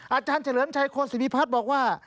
อาจารย์เจริญชัยโครสิมีภาษ์บอกว่า